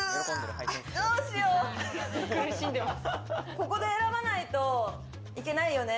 ここで選ばないといけないよね？